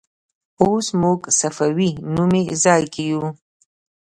اوس موږ صفوي نومې ځای کې یو.